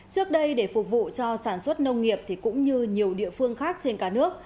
trước đây để phục vụ cho sản xuất nông nghiệp thì cũng như nhiều địa phương khác trên cả nước